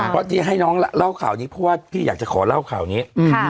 เพราะที่ให้น้องเล่าข่าวนี้เพราะว่าพี่อยากจะขอเล่าข่าวนี้